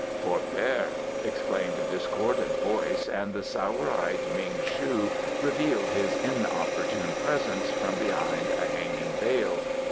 "Forbear!" exclaimed a discordant voice, and the sour eyed Ming shu revealed his inopportune presence from behind a hanging veil.